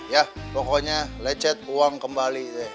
ya pokoknya lecet uang kembali